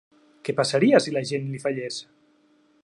Què passaria si la Jeanne li fallés?